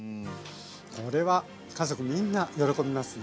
これは家族みんな喜びますね。